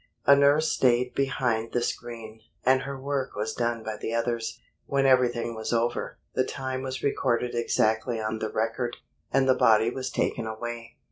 A nurse stayed behind the screen, and her work was done by the others. When everything was over, the time was recorded exactly on the record, and the body was taken away.